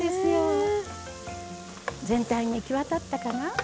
全体に行き渡ったかな？